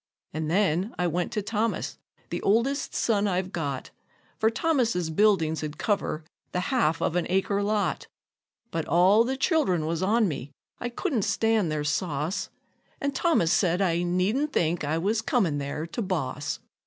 An' then I went to Thomas, the oldest son I've got, For Thomas's buildings 'd cover the half of an acre lot; But all the child'rn was on me I couldn't stand their sauce And Thomas said I needn't think I was comin' there to boss.